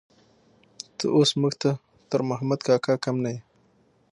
ته اوس موږ ته تر محمد کاکا کم نه يې.